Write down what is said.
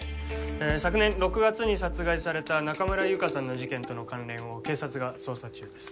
えぇ昨年６月に殺害された中村優香さんの事件との関連を警察が捜査中です。